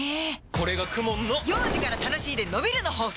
これがＫＵＭＯＮの幼児から楽しいでのびるの法則！